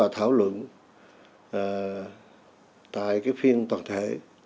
thảo luận tại cái phiên toàn thể